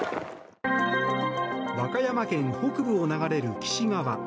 和歌山県北部を流れる貴志川。